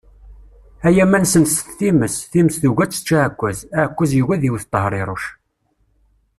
Ay aman senset times, times tugi ad tečč aɛekkaz, aɛekkaz yugi ad iwwet Tehriruc.